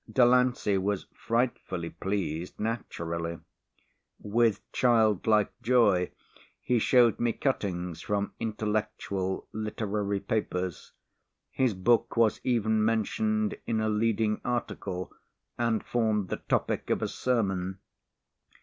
Delancey was frightfully pleased, naturally. With child like joy he showed me cuttings from intellectual literary papers. His book was even mentioned in a leading article and formed the topic of a sermon.